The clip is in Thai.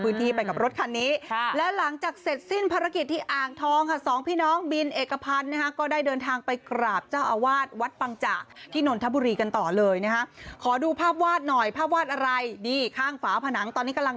ยินดีที่การเต็มช่วยเหลือบ้าง